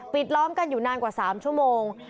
ล้อมกันอยู่นานกว่า๓ชั่วโมง